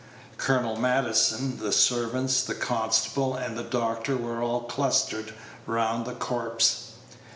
Colonel Maddison, the servants, the constable, and the doctor were all clustered round the corpse.